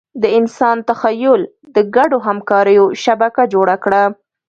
د انسان تخیل د ګډو همکاریو شبکه جوړه کړه.